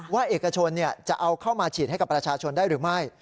เอกชนจะเอาเข้ามาฉีดให้กับประชาชนได้หรือไม่